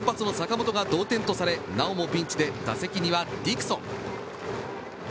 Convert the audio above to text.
４回、先発の坂本が同点とされなおもピンチで打席にはディクソン。